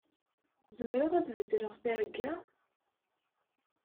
Zemreɣ ad beddleɣ targa?